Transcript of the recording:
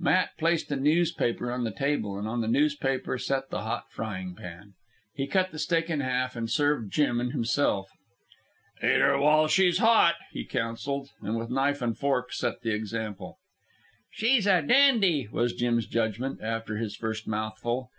Matt placed a newspaper on the table, and on the newspaper set the hot frying pan. He cut the steak in half, and served Jim and himself. "Eat her while she's hot," he counselled, and with knife and fork set the example. "She's a dandy," was Jim's judgment, after his first mouthful.